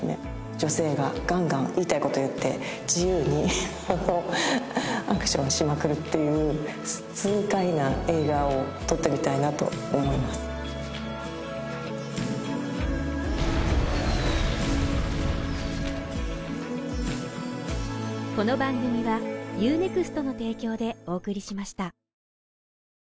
女性がガンガン言いたいこと言って自由にアクションしまくるっていう痛快な映画を撮ってみたいなと思いますニューアクアレーベルオールインワン